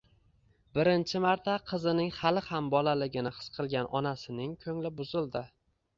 Birinchi marta qizining hali ham bolaligini his qilgan onasining ko`ngli buzildi